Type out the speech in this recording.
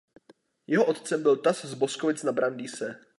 Jeho otcem byl Tas z Boskovic na Brandýse.